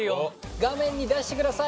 画面に出してください